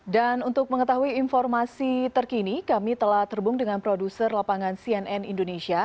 dan untuk mengetahui informasi terkini kami telah terbung dengan produser lapangan cnn indonesia